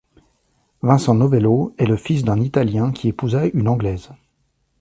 Vincent Novello est le fils d'un Italien qui épousa une Anglaise.